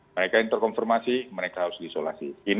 mereka yang terkonfirmasi mereka harus diisolasi